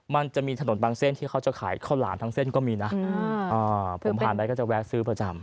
มันจะมีถนนบางเส้นที่เขาจะขายข้าวหลามทั้งเส้นก็มีนะผมผ่านไปก็จะแวะซื้อประจำ